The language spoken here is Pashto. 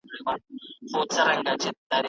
د تودو سيمو اخلاق تر سړو سيمو بېل دي.